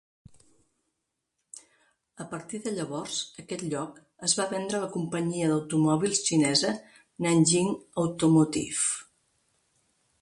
A partir de llavors, aquest lloc es va vendre a la companyia d'automòbils xinesa Nanjing Automotive.